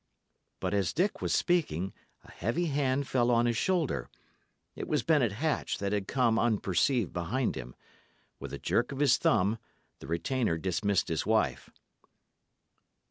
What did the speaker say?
But as Dick was speaking, a heavy hand fell on his shoulder. It was Bennet Hatch that had come unperceived behind him. With a jerk of his thumb, the retainer dismissed his wife.